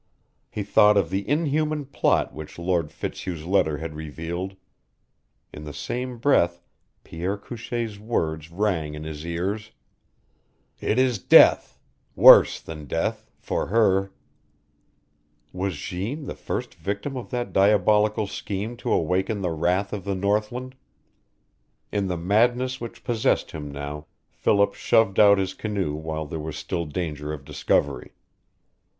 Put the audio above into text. He thought of the inhuman plot which Lord Fitzhugh's letter had revealed; in the same breath Pierre Couchee's words rang in his ears "It is death worse than death for her " Was Jeanne the first victim of that diabolical scheme to awaken the wrath of the northland? In the madness which possessed him now Philip shoved out his canoe while there was still danger of discovery.